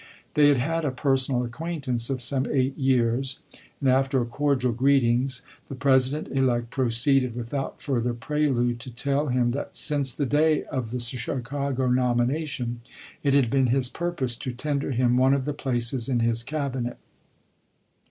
They had had a personal acquaintance of some eight years ; and after cordial greetings the Presi dent elect proceeded without further prelude to tell him that since the day of the Chicago nomination it had been his purpose to tender him one of the places in his Cabinet.